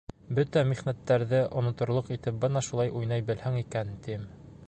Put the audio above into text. Бөтә михнәттәрҙе онотторорлоҡ итеп бына шулай уйнай белһәң икән, тим.